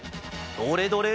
どれどれ？